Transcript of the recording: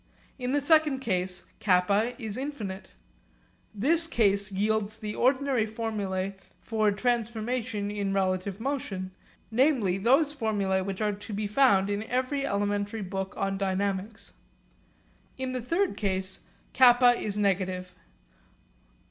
In the second case k is infinite. This case yields the ordinary formulae for transformation in relative motion, namely those formulae which are to be found in every elementary book on dynamics. In the third case, k is negative.